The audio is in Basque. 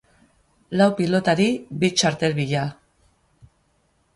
Lau pilotari bi txartel bila.